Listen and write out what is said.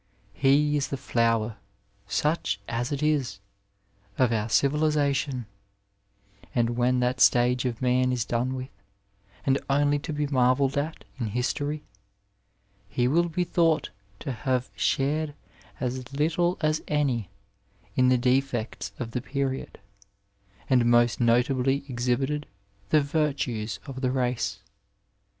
He is fiie flower (saoh as it is)^ our civilizatian ; and idien that stage of man is done with, and only to be marvelled at in histoiy, he will be thought to have shared as little as any in the defects of the period, and most notably exhibited the virtues of the race.